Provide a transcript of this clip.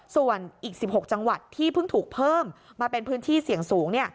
ส่วนอีก๑๖จังหวัดที่เพิ่งถูกเพิ่มมาเป็นพื้นที่เสี่ยงสูง